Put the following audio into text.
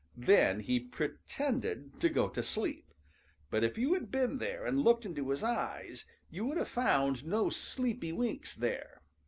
Then he pretended to go to sleep, but if you had been there and looked into his eyes, you would have found no sleepy winks there.